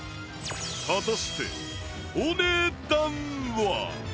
果たしてお値段は？